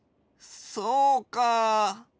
そうか。